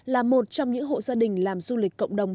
là một trong những hộ gia đình làm du lịch cộng đồng